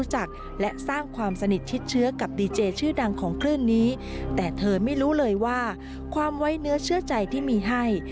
เจาะประเด็นจากรายงานของคุณบงกฎช่วยนิ่มครับ